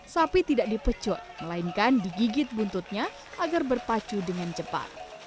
sapi tidak dipecut melainkan digigit buntutnya agar berpacu dengan cepat